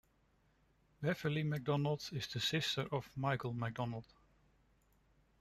Beverly McDonald is the sister of Michael McDonald.